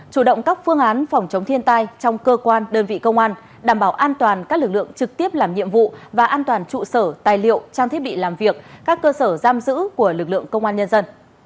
chủ động các phương án phòng chống thiên tai trong cơ quan đơn vị công an đảm bảo an toàn các lực lượng trực tiếp làm nhiệm vụ và an toàn trụ sở tài liệu trang thiết bị làm việc các cơ sở giam giữ của lực lượng công an nhân dân